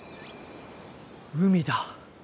海だ！